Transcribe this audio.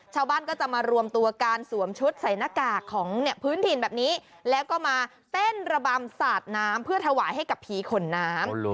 ชาวบ้านก็จะมารวมตัวการสวมชุดใส่หน้ากากของเนี่ยพื้นถิ่นแบบนี้แล้วก็มาเต้นระบำสาดน้ำเพื่อถวายให้กับผีขนน้ำ